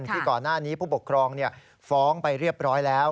ที่ก่อนหน้านี้ผู้ปกครองฟ้องไปเรียบร้อยแล้ว